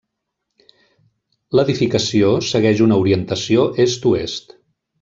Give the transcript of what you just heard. L'edificació segueix una orientació est-oest.